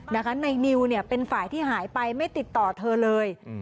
นะคะนายนิวเป็นฝ่ายที่หายไปไม่ติดต่อเธอเลย